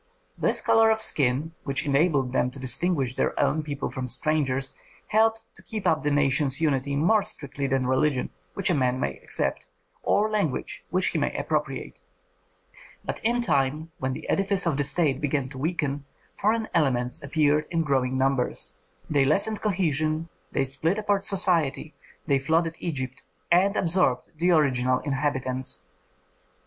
This color of skin, which enabled them to distinguish their own people from strangers, helped to keep up the nation's unity more strictly than religion, which a man may accept, or language, which he may appropriate. But in time, when the edifice of the state began to weaken, foreign elements appeared in growing numbers. They lessened cohesion, they split apart society, they flooded Egypt and absorbed the original inhabitants.